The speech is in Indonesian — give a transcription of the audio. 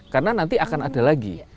karena nanti akan ada lagi